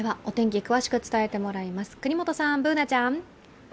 お天気、詳しく伝えてもらいます國本さん、Ｂｏｏｎａちゃん。